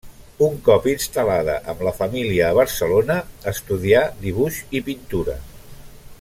Un cop instal·lada amb la família a Barcelona, estudià dibuix i pintura.